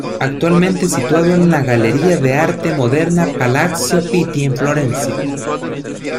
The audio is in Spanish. Actualmente situado en la Galleria d'Arte Moderna, Palazzo Pitti en Florencia.